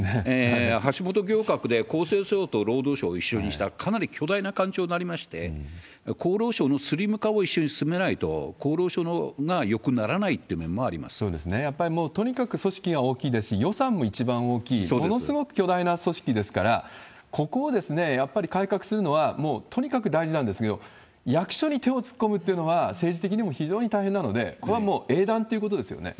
橋本行革で厚生省と労働省を一緒にした、かなり巨大な官庁になりまして、厚労省のスリム化を一緒に進めないと、厚労省がよくならやっぱりもうとにかく組織が大きいですし、予算も一番大きい、ものすごく巨大な組織ですから、ここをやっぱり改革するのは、もうとにかく大事なんですけれども、役所に手を突っ込むっていうのは政治的にも非常に大変なので、ここはもう英断ということですよね。